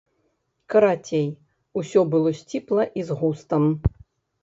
Карацей, усё было сціпла і з густам.